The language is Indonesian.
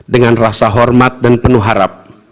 dengan rasa hormat dan penuh harap